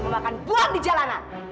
mama akan buang di jalanan